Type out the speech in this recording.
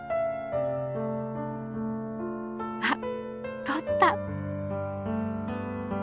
あっとった！